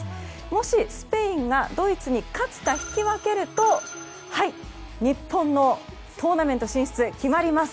もしスペインがドイツに勝つか引き分けると日本のトーナメント進出が決まります。